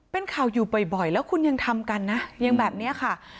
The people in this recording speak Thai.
เป็นข่าวอยู่บ่อยแล้วคุณยังทำกันนะยังแบบนี้ค่ะ